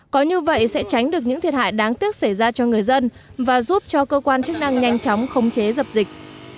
có như vậy sẽ tránh được những thiệt hại đáng tiếc xảy ra cho người dân và giúp cho cơ quan chức năng nhanh chóng khống chế dập dịch